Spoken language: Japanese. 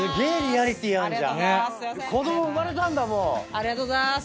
ありがとうございます。